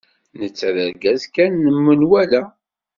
Netta d argaz kan n menwala.